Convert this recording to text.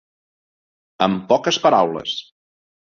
En poques paraules